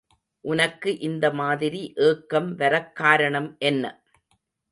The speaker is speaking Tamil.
உனக்கு இந்த மாதிரி ஏக்கம் வரக் காரணம் என்ன?